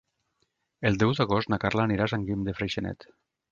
El deu d'agost na Carla anirà a Sant Guim de Freixenet.